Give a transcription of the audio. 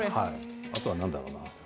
あとは何だろうな。